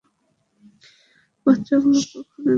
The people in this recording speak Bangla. বাচ্চাগুলো কখনোই বেরাতে পারবে না।